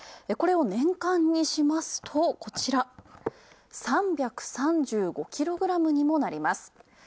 これを年間にしますとこちら、３３５キロになります。